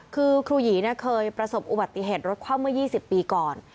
คือครูหยีเคยประสบอุบัติเหตุรถคว่ำเมื่อ๒๐ปีก่อน